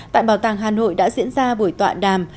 tại bảo tàng hà nội đã diễn ra buổi tọa đàm